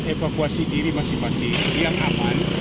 evakuasi diri masing masing yang aman